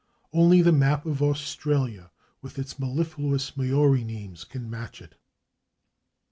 Only the map of Australia, with its mellifluous Maori names, can match it.